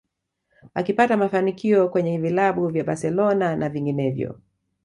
Akipata mafanikio kwenye vilabu vya Barcelona na vinginevyo